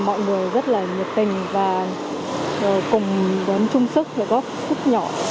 mọi người rất là nhiệt tình và cùng đón chung sức để góp sức nhỏ